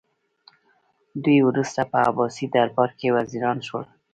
دوی وروسته په عباسي دربار کې وزیران شول